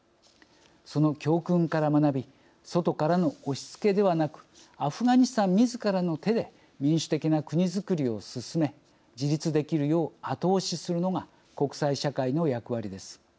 その教訓から学び外からの押しつけではなくアフガニスタンみずからの手で民主的な国づくりを進め自立できるよう後押しするのが国際社会の役割です。